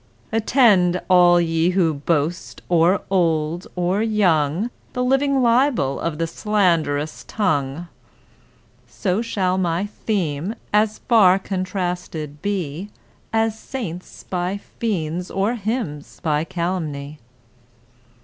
— Attend, all ye who boast,—or old or young,— The living libel of a slanderous tongue! So shall my theme, as far contrasted be, As saints by fiends or hymns by calumny.